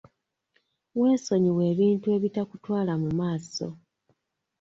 Weesonyiwe ebintu ebitakutwala mu maaso.